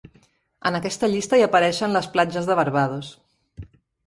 En aquesta llista hi apareixen les platges de Barbados.